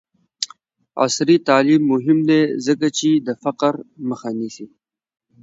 عصري تعلیم مهم دی ځکه چې د فقر مخه نیسي.